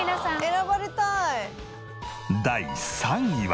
第３位は。